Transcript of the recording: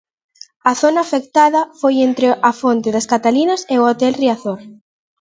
A zona afectada foi entre a fonte das Catalinas e o Hotel Riazor.